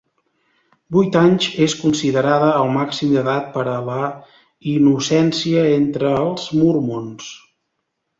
Vuit anys és considerada el màxim d'edat per la innocència entre els mormons.